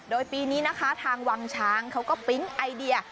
โดยปีนี้นะคะทางวังช้างเขาก็ปิ๊งไอเดีย